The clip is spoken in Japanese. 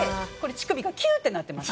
乳首キューッなってます